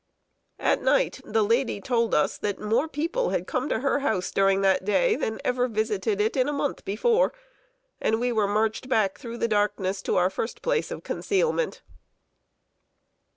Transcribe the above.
At night, the lady told us that more people had come to her house during the day than ever visited it in a month before; and we were marched back through the darkness, to our first place of concealment.